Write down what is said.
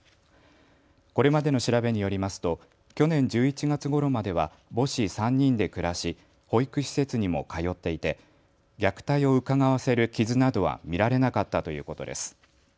これまでの調べによりますと去年１１月ごろまでは母子３人で暮らし保育施設にも通っていて虐待をうかがわせる傷などは見られなかったということです。